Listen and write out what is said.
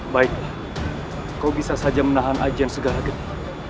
baik kau bisa saja menahan ajian segala geni